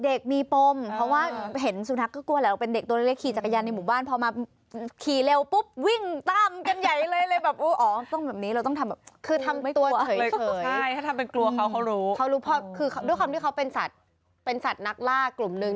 ด้วยความที่เขาเป็นสัตว์เหลือเป็นสัตว์นักล่ากลุ่มหนึ่ง